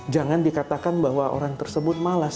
jangan dikatakan bahwa orang tersebut malas